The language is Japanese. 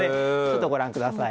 ご覧ください。